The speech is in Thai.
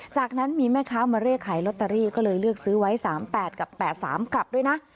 จากนั้นมีแม่ค้ามาเรียกขายลอตเตอรี่ก็เลยเลือกซื้อไว้๓๘กับ๘๓กลับด้วยนะ